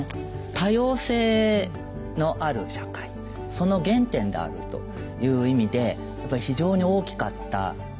多様性のある社会その原点であるという意味で非常に大きかった。